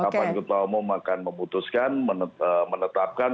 kapan ketua umum akan memutuskan menetapkan